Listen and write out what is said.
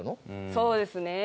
そうですね。